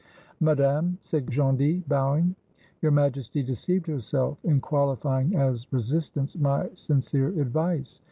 "Madame," said Gondy, bowing, "Your Majesty deceived herself in qualifying as resistance my sincere advice.